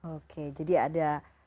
oke jadi ada